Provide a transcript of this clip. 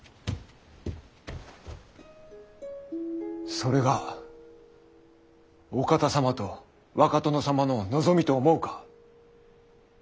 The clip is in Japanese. それがお方様と若殿様の望みと思うか。